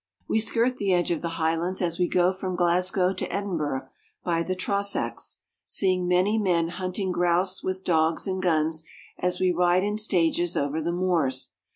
We skirt the edge of the Highlands as we go from Glasgow to Edinburgh by the Trossachs, seeing many men hunting grouse with dogs and guns as we ride in stages over the moors.